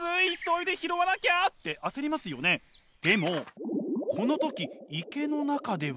この時池の中では。